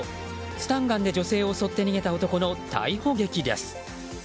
スタンガンで女性を襲って逃げた男の逮捕劇です。